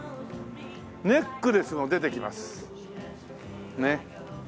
「ネックレスも出てきます」ねっ。